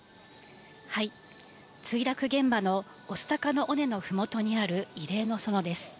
墜落現場の御巣鷹の尾根のふもとにある慰霊の園です。